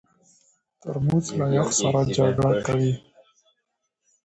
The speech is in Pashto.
ترموز له یخ سره جګړه کوي.